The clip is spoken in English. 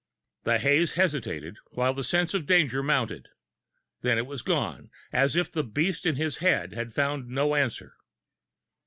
The haze hesitated, while the sense of danger mounted. Then it was gone, as if the beast in his head had found no answer.